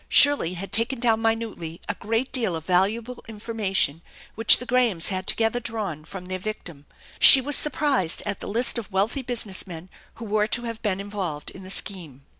Shirley had taken down minutely a great deal of valuable information which the Grahams had together drawn from their victim. She was surprised at the list of wealthy business men who were to have been involved in the scheme.